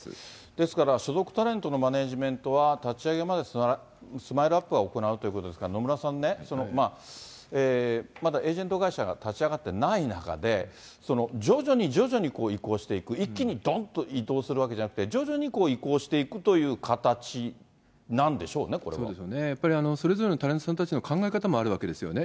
ですから所属タレントのマネージメントは、立ち上げまでＳＭＩＬＥーＵＰ．が行うということですが、野村さんね、まだエージェント会社が立ち上がってない中で、徐々に徐々に移行していく、一気にどんと移行するわけじゃなくて、徐々に移行していくというそうでしょうね、やっぱりそれぞれのタレントさんたちの考え方もあるわけですよね。